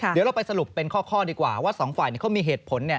เดี๋ยวเราไปสรุปเป็นข้อดีกว่าว่าสองฝ่ายเขามีเหตุผล